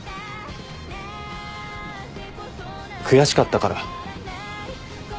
悔しかったから。